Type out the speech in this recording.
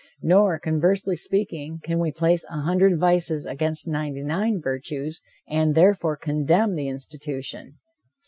Nor, conversely speaking, can we place a hundred vices against ninety nine virtues, and, therefore, condemn, the institution.